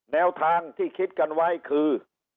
แนวทางที่คิดกันไว้คือ